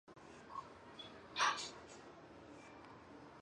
很多评论家着书立说批评沃斯通克拉夫特在教育方面的观点。